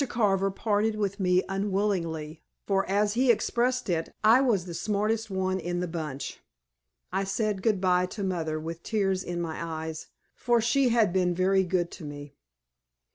Carver parted with me unwillingly, for, as he expressed it, "I was the smartest one in the bunch." I said good by to mother with tears in my eyes, for she had been very good to me.